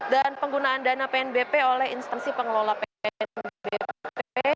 dan penggunaan dana pnbp oleh instansi pengelola pnbp